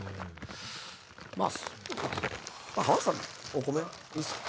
お米いいっすか？